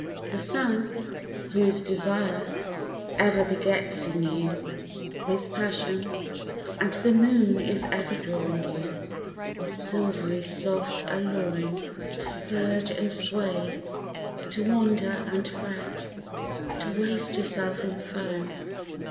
The sun, who is desire, ever begets in you his passion, And the moon is ever drawing you, with silvery soft alluring, To surge and sway, to wander and fret, to waste yourself in foam.